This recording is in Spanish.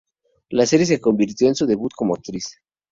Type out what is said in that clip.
La serie se convirtió en su debut como actriz.